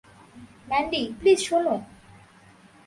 Mandy, please শোনো।